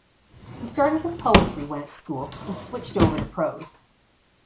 He started with poetry when at school and switched over to prose.